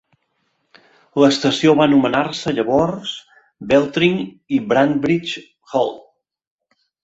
L'estació va anomenar-se llavors Beltring i Branbridges Halt.